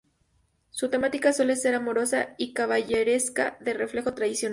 Su temática suele ser amorosa y caballeresca de reflejo tradicional.